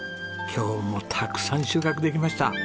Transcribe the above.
今日もたくさん収穫できました。